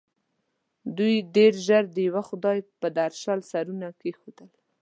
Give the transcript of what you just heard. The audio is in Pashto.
دوی ډېر ژر د یوه خدای پر درشل سرونه کېښول.